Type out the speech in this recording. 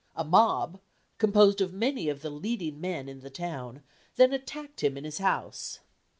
A mob, composed of many of the leading men in the town, then attacked him in his house.